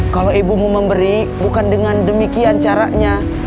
kalau ibu mau memberi bukan dengan demikian caranya